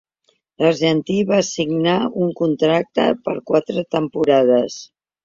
L'argentí va signar un contracte per quatre temporades.